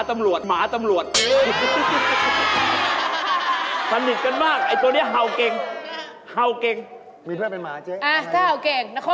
ตำรวจถ้าต้องเฉยนะไม่ต้องฉัยให้ล่ะที่แรก